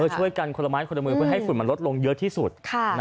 ช่วยกันคนละไม้คนละมือเพื่อให้ฝุ่นมันลดลงเยอะที่สุด